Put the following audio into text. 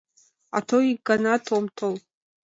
А то ик ганат ом тол».